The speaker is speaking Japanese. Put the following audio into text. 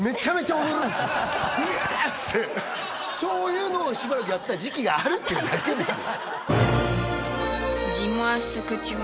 イエーイっつってそういうのをしばらくやってた時期があるっていうだけですよ